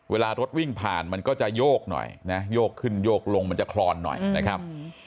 เวลารถวิ่งผ่านมันก็จะโยกหน่อยนะโยกขึ้นโยกลงมันจะคลอนหน่อยนะครับ